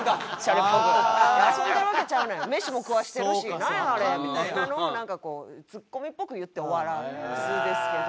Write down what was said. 「飯も食わしてるしなんや？あれ」みたいなのをなんかツッコミっぽく言って終わらすんですけど。